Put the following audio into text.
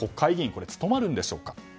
これは務まるんでしょうか？